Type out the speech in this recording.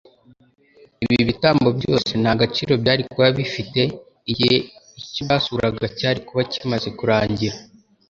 Ibi bitambo byose nta gaciro byari kuba bifite igihe icyo byasuraga cyari kuba kimaze kurangira.